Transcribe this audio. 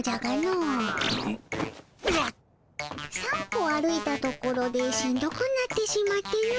３歩歩いたところでしんどくなってしまっての。